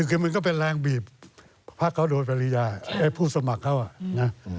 คือมันก็เป็นแรงบีบภาคเขาโดดปริญญาผู้สมัครเขา